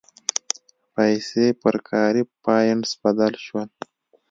پیسې پر کاري پاینټس بدل شول.